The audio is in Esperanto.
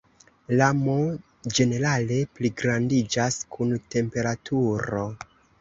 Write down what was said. La "m" ĝenerale pligrandiĝas kun temperaturo.